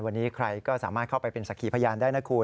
วันนี้ใครก็สามารถเข้าไปเป็นสักขีพยานได้นะคุณ